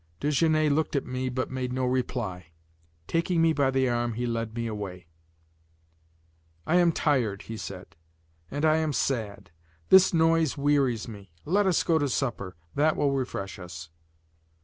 Desgenais looked at me but made no reply; taking me by the arm he led me away. "I am tired," he said, "and I am sad; this noise wearies me. Let us go to supper, that will refresh us."